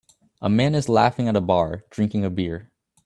A man is laughing at a bar drinking a beer